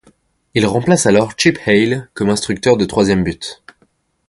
Il remplace alors Chip Hale comme instructeur de troisième but.